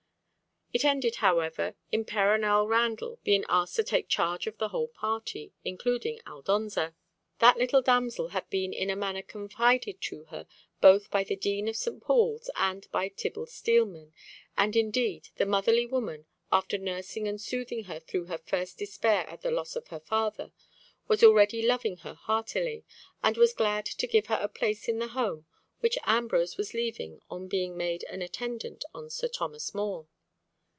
It ended, however, in Perronel Randall being asked to take charge of the whole party, including Aldonza. That little damsel had been in a manner confided to her both by the Dean of St. Paul's and by Tibble Steelman—and indeed the motherly woman, after nursing and soothing her through her first despair at the loss of her father, was already loving her heartily, and was glad to give her a place in the home which Ambrose was leaving on being made an attendant on Sir Thomas More.